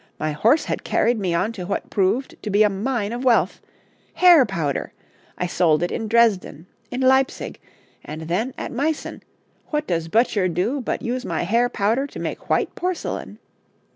My horse had carried me on to what proved to be a mine of wealth. Hair powder! I sold it in Dresden, in Leipsic; and then, at Meissen, what does Böttcher do but use my hair powder to make white porcelain!'